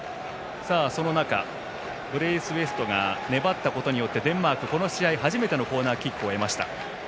その中、ブレイスウェイトが粘ったことによってデンマーク、この試合初めてのコーナーキックを得ました。